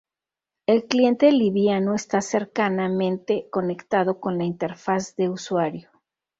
El cliente liviano está cercanamente conectado con la interfaz de usuario.